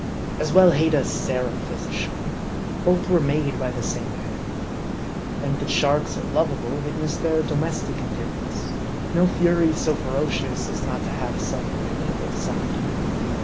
As well hate a seraph, as a shark. Both were made by the same hand. And that sharks are lovable, witness their domestic endearments. No Fury so ferocious, as not to have some amiable side.